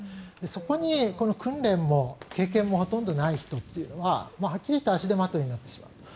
そこに訓練も経験もほとんどない人というのははっきり言って足手まといになってしまう。